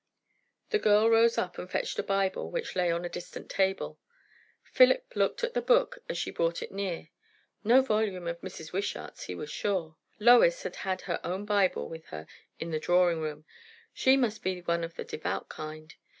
The girl rose up and fetched a Bible which lay upon a distant table. Philip looked at the book as she brought it near; no volume of Mrs. Wishart's, he was sure. Lois had had her own Bible with her in the drawing room. She must be one of the devout kind.